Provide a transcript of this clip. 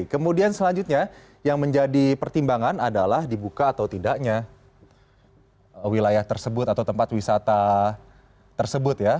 kemudian selanjutnya yang menjadi pertimbangan adalah dibuka atau tidaknya wilayah tersebut atau tempat wisata tersebut ya